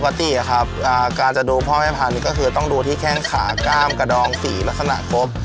ปกติครับการจะดูพ่อแม่พันธุ์ก็คือต้องดูที่แข้งขากล้ามกระดองสีลักษณะครบ